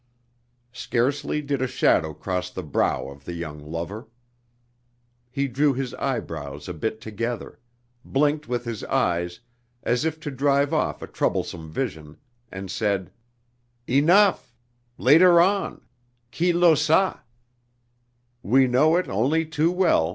Scarcely did a shadow cross the brow of the young lover. He drew his eyebrows a bit together, blinked with his eyes as if to drive off a troublesome vision, and said: "Enough! Later on! _Chi lo sa?